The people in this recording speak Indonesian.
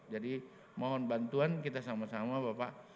jadi mohon bantuan kita sama sama bapak